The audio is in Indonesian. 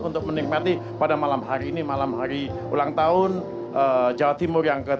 untuk menikmati pada malam hari ini malam hari ulang tahun jawa timur yang ke tujuh puluh